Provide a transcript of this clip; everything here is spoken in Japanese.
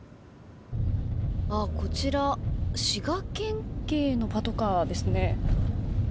こちら滋賀県警のパトカーですね。